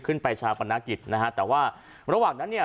ชาปนกิจนะฮะแต่ว่าระหว่างนั้นเนี่ย